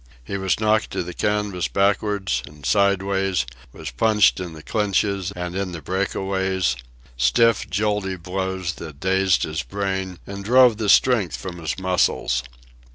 He was knocked to the canvas backwards, and sideways, was punched in the clinches and in the breakaways stiff, jolty blows that dazed his brain and drove the strength from his muscles.